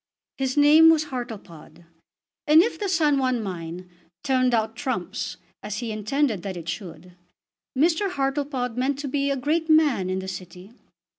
His name was Hartlepod; and if the San Juan mine "turned out trumps," as he intended that it should, Mr. Hartlepod meant to be a great man in the City.